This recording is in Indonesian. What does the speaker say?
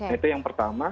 itu yang pertama